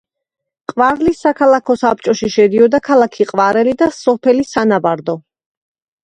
ყვარლის საქალაქო საბჭოში შედიოდა ქალაქი ყვარელი და სოფელი სანავარდო.